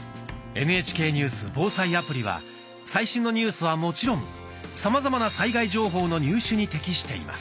「ＮＨＫニュース・防災アプリ」は最新のニュースはもちろんさまざまな災害情報の入手に適しています。